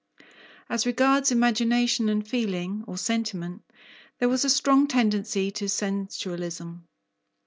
As regards imagination and feeling, or sentiment, there was a strong tendency to sensualism.